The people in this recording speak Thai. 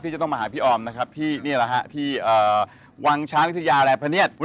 ที่จะต้องมาหาพี่ออมนะครับที่วังช้างเด้ยตื้อยาแร็บพะเนียด